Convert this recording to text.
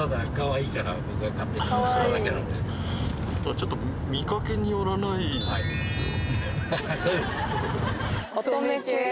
ちょっと見かけによらないですよね。